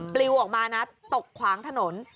ปลิวออกมานะตกขวางถนน